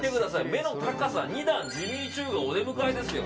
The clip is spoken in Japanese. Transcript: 目の高さ２段ジミーチュウがお出迎えですよ。